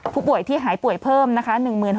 ผู้ป่วยที่หายป่วยเพิ่มนะคะ